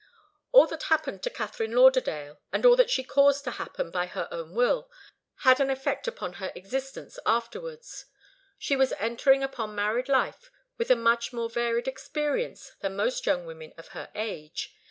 All that happened to Katharine Lauderdale, and all that she caused to happen by her own will, had an effect upon her existence afterwards. She was entering upon married life with a much more varied experience than most young women of her age.